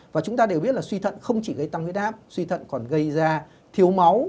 và chúng ta đều biết là suy thận không chỉ gây tăng huyết áp suy thận còn gây ra thiếu máu